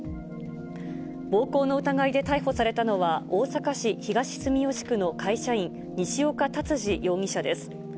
暴行の疑いで逮捕されたのは、大阪市東住吉区の会社員、西岡竜司容疑者です。